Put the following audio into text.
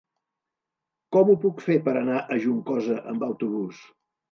Com ho puc fer per anar a Juncosa amb autobús?